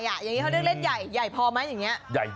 อย่างนี้เขาเรียกเล่นใหญ่ใหญ่พอไหมอย่างนี้